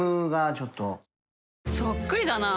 そっくりだな。